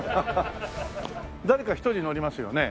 誰か１人乗りますよね？